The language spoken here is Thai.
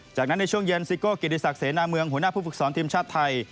จากนั้นในช่วงเย็นซิโก้กิติศักดิเสนาเมืองหัวหน้าผู้ฝึกสอนทีมชาติไทย